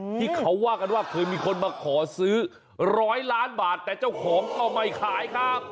ที่เขาว่ากันว่าเคยมีคนมาขอซื้อ๑๐๐ล้านบาทแต่เจ้าของก็ไม่ขายครับ